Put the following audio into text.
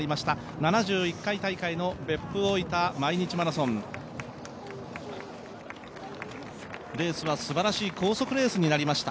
７１回大会の別府大分毎日マラソン、レースはすばらしい高速レースになりました。